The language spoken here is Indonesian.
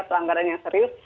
pelanggaran yang serius